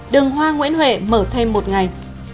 đường hoa nguyễn huệ mở thêm một ngày